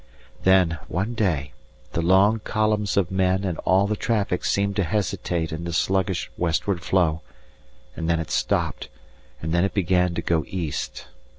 Then one day the long columns of men and all the traffic seemed to hesitate in the sluggish westward flow, and then it stopped, and then it began to go east.